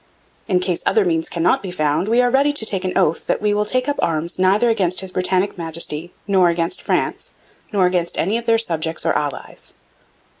In case other means cannot be found, we are ready to take an oath, that we will take up arms neither against His Britannic Majesty, nor against France, nor against any of their subjects or allies.'